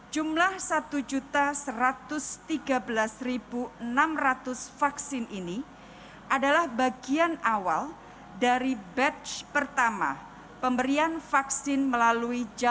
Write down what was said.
jumlah satu satu ratus tiga belas enam ratus vaksin ini adalah bagian awal dari batch pertama pemberian vaksin melalui